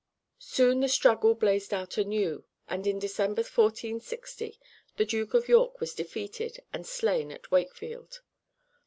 Soon the struggle blazed out anew, and in December, 1460, the Duke of York was defeated and slain at Wakefield.